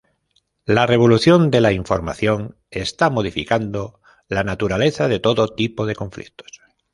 La revolución de la información está modificando la naturaleza de todo tipo de conflictos.